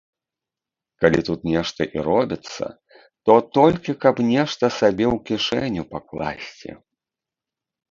Калі тут нешта і робіцца, то толькі, каб нешта сабе ў кішэню пакласці.